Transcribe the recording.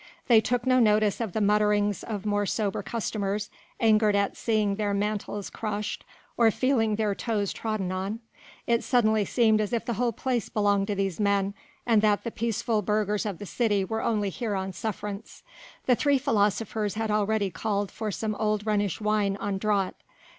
They took no notice of the mutterings of more sober customers, angered at seeing their mantles crushed or feeling their toes trodden on. It suddenly seemed as if the whole place belonged to these men and that the peaceful burghers of the city were only here on suffrance. The three philosophers had already called for some old Rhenish wine on draught.